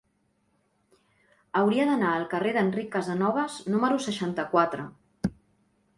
Hauria d'anar al carrer d'Enric Casanovas número seixanta-quatre.